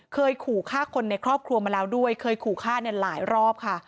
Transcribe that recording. เคยขู่ฆ่าคนในครอบครัวมาแล้วด้วยเคยขู่ฆ่าเนี่ยหลายรอบค่ะ